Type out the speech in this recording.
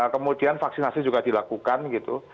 kemudian vaksinasi juga dilakukan gitu